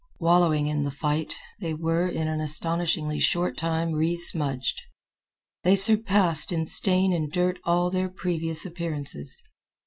Wallowing in the fight, they were in an astonishingly short time resmudged. They surpassed in stain and dirt all their previous appearances.